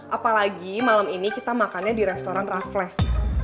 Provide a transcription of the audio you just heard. apalagi malam ini kita makannya di restoran raffles